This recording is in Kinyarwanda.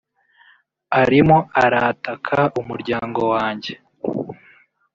arimo arataka umuryango wanjye